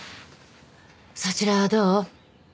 そちらはどう？